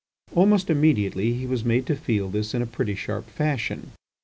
Almost immediately he was made to feel this in a pretty sharp fashion.